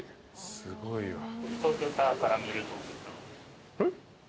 すごいわ。